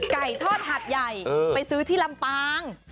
ไก่ทอดหัดใหญ่ไปซื้อที่ลำปาง